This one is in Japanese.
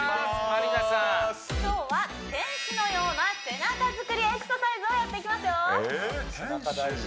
今日は天使のような背中作りエクササイズをやっていきますよえ天使？